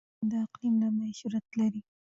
افغانستان د اقلیم له امله شهرت لري.